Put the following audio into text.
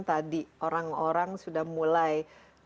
tadi orang orang sudah mulai